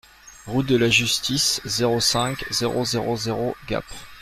Route de la Justice, zéro cinq, zéro zéro zéro Gap